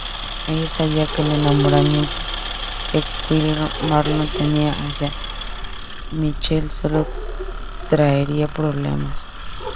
Ella sabía que el enamoramiento que Kyle Marlon tenía hacia Michaela sólo traería problemas.